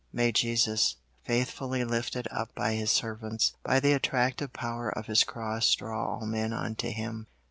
May Jesus, faithfully lifted up by His servants, by the attractive power of His cross draw all men unto Him.